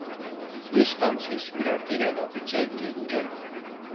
Quispamsis berarti danau kecil di hutan.